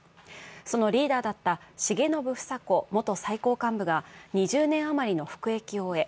そのリーダーだった重信房子元最高幹部が２０年余りの服役を終え